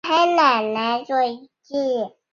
长臀鲃为鲤科长臀鲃属的鱼类。